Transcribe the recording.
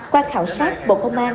qua khảo sát bộ công an